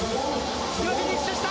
今、フィニッシュした。